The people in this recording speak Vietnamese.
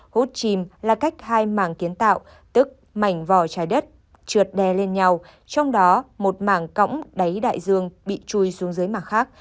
hút chìm là cách hai mảng kiến tạo tức mảnh vò trái đất trượt đè lên nhau trong đó một mảng cõng đáy đại dương bị chui xuống dưới mảng khác